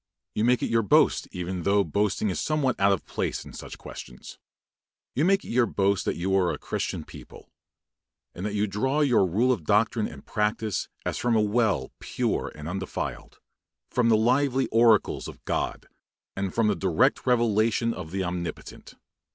You make it your boast even though boasting is somewhat out of place in such questions you make it your boast that you are a Christian people, and that you draw your rule of doctrine and practice, as from a well pure and undefiled, from the lively oracles of God, and from the direct revelation of the Omnipotent.